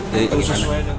jadi terus sesuai dong